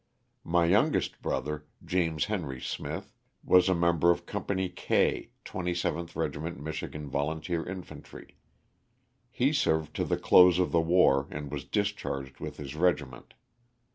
My youngest brother, James Henry Smith, was a member of Company K, 27th Regiment Michigan Volunteer Infantry. He served to the close of the war and was discharged with his regiment.